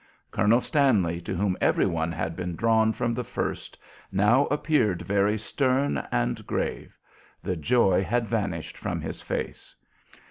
Colonel Stanley, to whom every one had been drawn from the first, now appeared very stern and grave; the joy had vanished from his face.